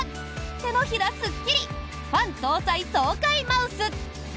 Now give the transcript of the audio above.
手のひらすっきりファン搭載爽快マウス。